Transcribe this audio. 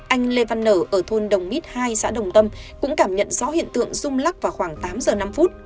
anh lê văn nở ở thôn đồng mít hai xã đồng tâm cũng cảm nhận rõ hiện tượng rung lắc vào khoảng tám giờ năm phút